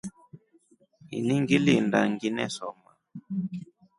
Ini ngilinda nginesoma.